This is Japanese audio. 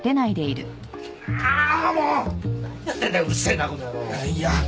いや。